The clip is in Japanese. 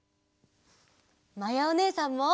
まやおねえさんも！